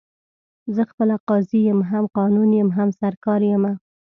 زه خپله قاضي یم، هم قانون یم، هم سرکار یمه